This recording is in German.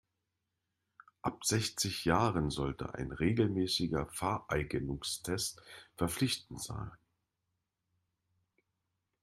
Ab sechzig Jahren sollte ein regelmäßiger Fahreignungstest verpflichtend sein.